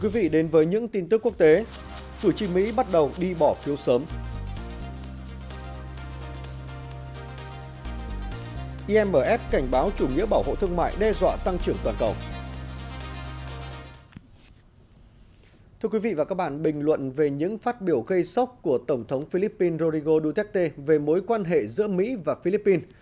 về những phát biểu gây sốc của tổng thống philippines rodrigo duterte về mối quan hệ giữa mỹ và philippines